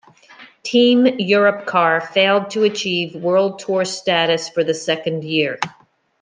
Team Europcar failed to achieve World Tour status for the second year.